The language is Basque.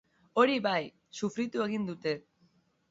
Hori bai, sufritu egin dute.